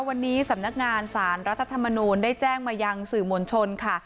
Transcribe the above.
วันนี้สำนักงานสารรัฐธรรมนูลได้แจ้งมายังสื่อมวลชนค่ะ